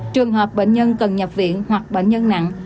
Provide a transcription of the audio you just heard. trường hợp bệnh nhân cần nhập viện hoặc bệnh nhân nặng